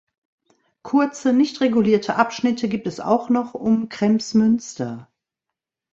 Kurze nicht regulierte Abschnitte gibt es auch noch um Kremsmünster.